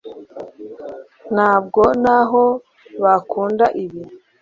ntabwo nabo bakunda ibi